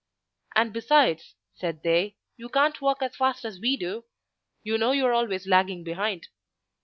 "And besides," said they, "you can't walk as fast as we do; you know you're always lagging behind."